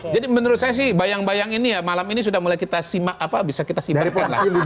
jadi menurut saya sih bayang bayang ini ya malam ini sudah mulai kita simak apa bisa kita simak